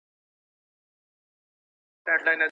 که زده کوونکی ازاد پریښودل سي نو خلاقیت ښیي.